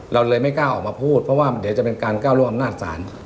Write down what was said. เราเลยไม่กล้าออกมาพูดเพราะว่าเดี๋ยวจะเป็นการก้าวร่วงอำนาจศาล